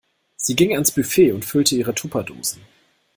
Sie ging ans Buffet und füllte ihre Tupperdosen.